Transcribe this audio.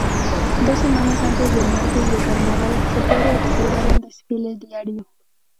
Dos semanas antes del Martes de Carnaval, se puede observar un desfile diario.